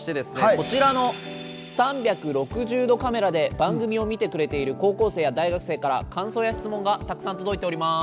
こちらの３６０度カメラで番組を見てくれている高校生や大学生から感想や質問がたくさん届いております。